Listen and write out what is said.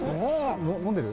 飲んでる？